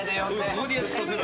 ここでやってみろ。